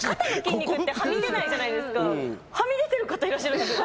はみ出てる方いらっしゃるんですよ。